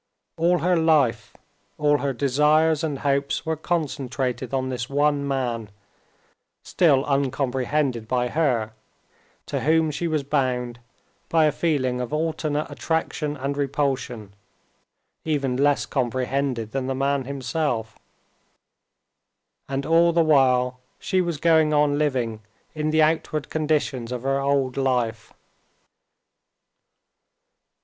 All her life, all her desires and hopes were concentrated on this one man, still uncomprehended by her, to whom she was bound by a feeling of alternate attraction and repulsion, even less comprehended than the man himself, and all the while she was going on living in the outward conditions of her old life.